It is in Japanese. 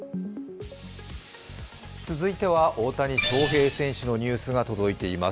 続いては大谷翔平選手のニュースが届いています。